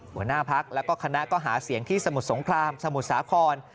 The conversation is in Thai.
หัวหน้าพักแล้วก็คณะก็หาเสียงที่สมุทรสงครามสมุทรสาคร